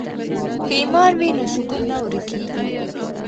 که ایمان وي نو سکون نه ورکیږي.